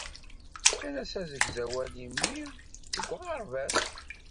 Fkan-as asegzawal i mmi deg uɣerbaz.